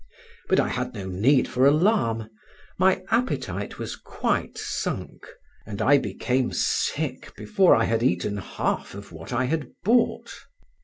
But I had no need for alarm; my appetite was quite sunk, and I became sick before I had eaten half of what I had bought.